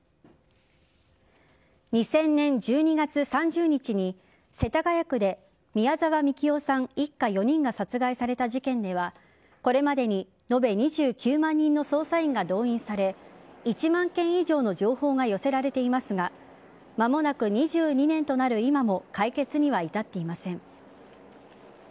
２０００年１２月３０日に世田谷区で宮沢みきおさん一家４人が殺害された事件にはこれまでに延べ２９万人の捜査員が動員され１万件以上の情報が寄せられていますが間もなく２２年となる今も解決には至っていません。